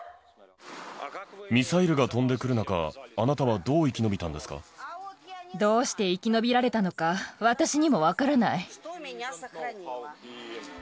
ミサイルが飛んでくる中、どうして生き延びられたのか、私にも分からない。